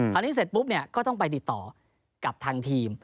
นี้เสร็จปุ๊บเนี่ยก็ต้องไปติดต่อกับทางทีม